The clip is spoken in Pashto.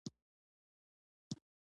بادرنګ د پوستکي جوانۍ کموي.